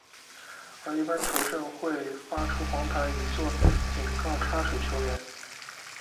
而一般球证会发出黄牌以作警告插水球员。